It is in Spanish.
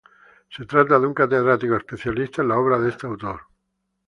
Se trata de un catedrático, especialista en la obra de este autor.